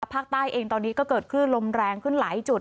ภาคใต้เองตอนนี้ก็เกิดขึ้นลมแรงขึ้นหลายจุด